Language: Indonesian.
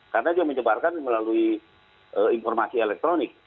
karena dia menyebarkan melalui informasi elektronik